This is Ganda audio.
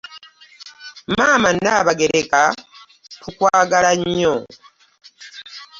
Maama Nnabagereka tukwagala nnyo.